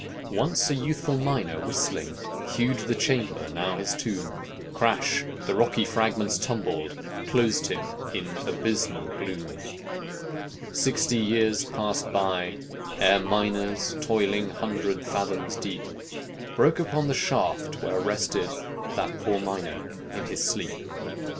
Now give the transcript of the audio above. Once a youthful miner, whistling, Hewed the chamber, now his tomb: Crash! the rocky fragments tumbled, Closed him in abysmal gloom. Sixty years passed by, ere miners Toiling, hundred fathoms deep, Broke upon the shaft where rested That poor miner in his sleep.